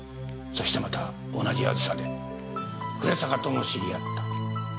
そしてまた同じあずさで暮坂とも知り合った。